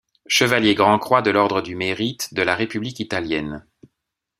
Chevalier grand-croix de l'Ordre du Mérite de la République italienne.